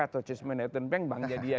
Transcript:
atau cismen net and bank bank jadiyah